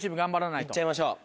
いっちゃいましょう。